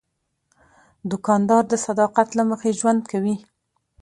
دوکاندار د صداقت له مخې ژوند کوي.